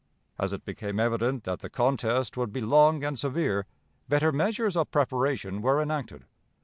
As it became evident that the contest would be long and severe, better measures of preparation were enacted.